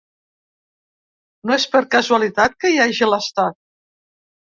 No és per casualitat que hi hagi l’estat.